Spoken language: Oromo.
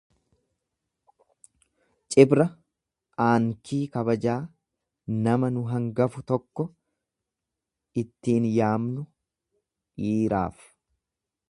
Cibra aankii kabajaa nama nu hangafu tokko ittiin yaamnu. dhiiraaf